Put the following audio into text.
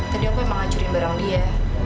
tadi aku emang ngacuri barang dia